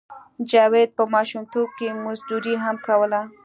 جاوید په ماشومتوب کې مزدوري هم کوله